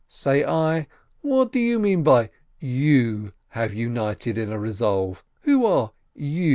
Say I, "What do you mean by 'you' have united in a resolve? Who are 'you'?